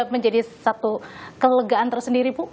menjadi satu kelegaan tersendiri bu